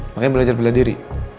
makanya belajar bela diri